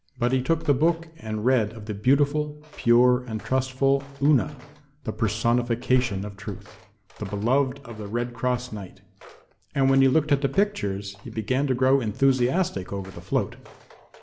But he took the book and read of the beautiful, pure and trustful Una, the personification of Truth, the beloved of the Red Cross Knight. And when he looked at the pictures he began to grow enthusiastic over the float.